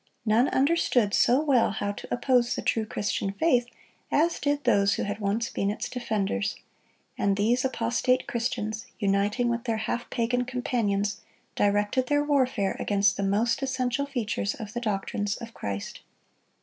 None understood so well how to oppose the true Christian faith as did those who had once been its defenders; and these apostate Christians, uniting with their half pagan companions, directed their warfare against the most essential features of the doctrines of Christ.